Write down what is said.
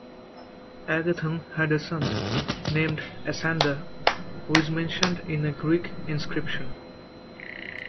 Agathon had a son, named Asander, who is mentioned in a Greek inscription.